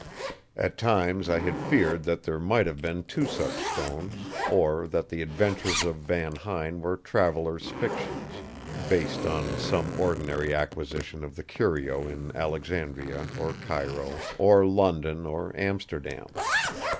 At times I had feared that there might have been two such stones, or that the adventures of Van Huyn were traveller's fictions, based on some ordinary acquisition of the curio in Alexandria or Cairo, or London or Amsterdam.